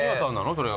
それは。